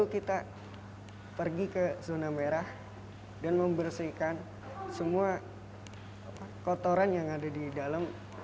kita pergi ke zona merah dan membersihkan semua kotoran yang ada di dalam